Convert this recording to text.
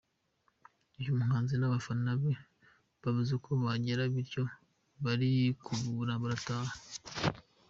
Uyu muhanzi n’abafana be babuze uko bahagera bityo barikubura barataha.